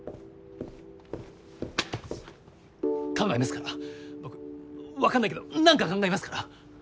考えますから僕わかんないけど何か考えますから。